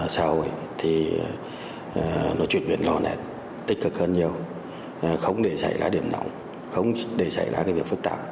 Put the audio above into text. sau này thì nó chuyển biến rõ nét tích cực hơn nhiều không để xảy ra điểm nổng không để xảy ra cái việc phức tạp